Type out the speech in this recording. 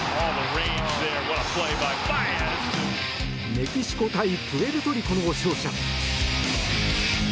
メキシコ対プエルトリコの勝者。